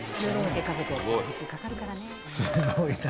すごいな。